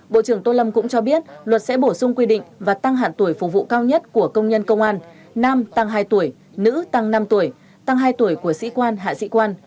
bộ trưởng tô lâm cũng cho biết luật sẽ bổ sung quy định và tăng hạn tuổi phục vụ cao nhất của công nhân công an nam tăng hai tuổi nữ tăng năm tuổi tăng hai tuổi của sĩ quan hạ sĩ quan